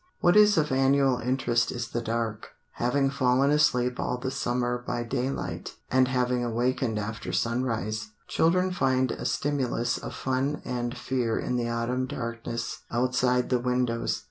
What is of annual interest is the dark. Having fallen asleep all the summer by daylight, and having awakened after sunrise, children find a stimulus of fun and fear in the autumn darkness outside the windows.